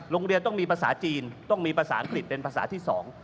โรงเรียนต้องมีภาษาจีนต้องมีภาษาอังกฤษเป็นภาษาที่๒